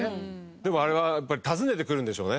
でもあれはやっぱり訪ねてくるんでしょうね